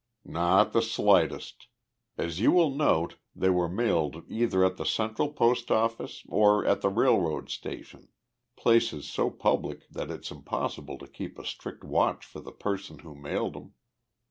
"Not the slightest. As you will note, they were mailed either at the central post office or at the railroad station places so public that it's impossible to keep a strict watch for the person who mailed 'em.